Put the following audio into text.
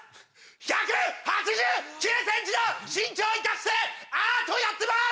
１８９ｃｍの身長を生かしてアートやってます！